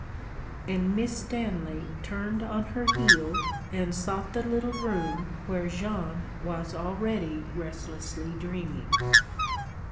_' And Miss Stanley turned on her heel and sought the little room where Jeanne was already restlessly dreaming.